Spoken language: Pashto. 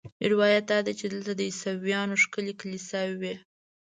یو روایت دا دی چې دلته د عیسویانو ښکلې کلیساوې وې.